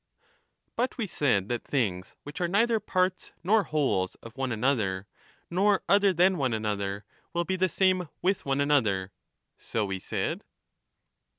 But we said that things which are neither parts nor wholes and there of one another, nor other than one another, will be the same ^^^,^''' cording to with one another :— so we said